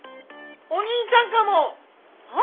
お兄ちゃんかも！は？